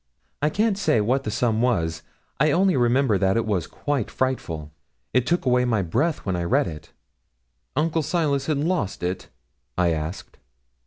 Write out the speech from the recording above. I can't say what the sum was. I only remember that it was quite frightful. It took away my breath when I read it.' 'Uncle Silas had lost it?' I asked.